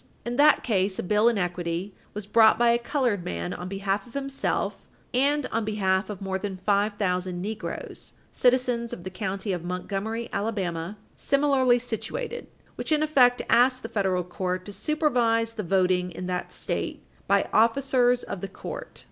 475. In that case, a bill in equity was brought by a colored man on behalf of himself "and on behalf of more than five thousand negroes, citizens of the county of Montgomery, Alabama, similarly situated" which, in effect, asked the federal court "to supervise the voting in that State by officers of the court."